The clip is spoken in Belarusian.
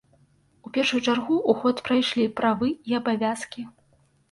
У першую чаргу ў ход прайшлі правы і абавязкі.